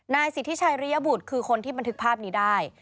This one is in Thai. นายสิทธิชัยริยบุตรคือคนที่บันทึกภาพนี้ได้